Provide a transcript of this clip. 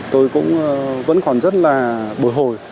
tôi cũng vẫn còn rất là buồn hồi